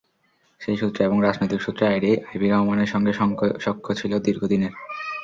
সেই সূত্রে এবং রাজনৈতিক সূত্রে আইভি রহমানের সঙ্গে সখ্য ছিল দীর্ঘদিনের।